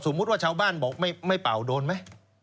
ว่าชาวบ้านบอกไม่เป่าโดนไหม